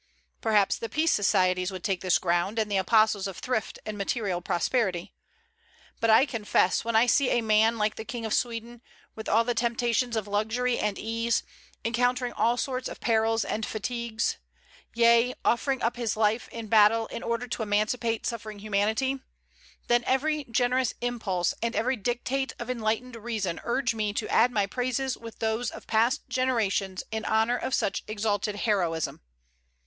Perhaps the peace societies would take this ground, and the apostles of thrift and material prosperity. But I confess, when I see a man like the King of Sweden, with all the temptations of luxury and ease, encountering all sorts of perils and fatigues, yea, offering up his life in battle in order to emancipate suffering humanity, then every generous impulse and every dictate of enlightened reason urge me to add my praises with those of past generations in honor of such exalted heroism.